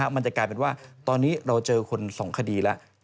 มันจะกลายเป็นว่าตอนนี้เราเจอคน๒คดีแล้ว